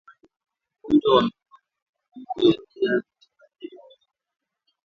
Ugonjwa wa minyoo kwa ngombe hutokea katika vipindi vyote vya mwaka